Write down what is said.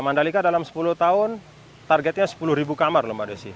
mandalika dalam sepuluh tahun targetnya sepuluh ribu kamar lho mbak desi